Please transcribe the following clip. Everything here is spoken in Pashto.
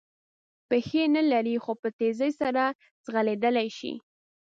پښې نه لري خو په تېزۍ سره ځغلېدلای شي.